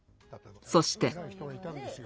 そして。